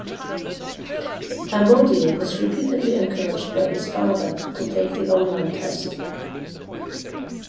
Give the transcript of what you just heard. Amodio was repeatedly encouraged by his father to take the online test.